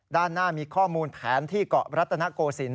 ด้านหน้ามีข้อมูลแผนที่เกาะรัตนโกศิลป